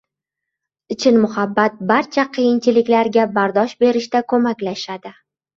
Chin muhabbat barcha qiyinchiliklarga bardosh berishda ko‘maklashadi.